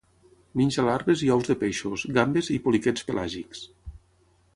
Menja larves i ous de peixos, gambes i poliquets pelàgics.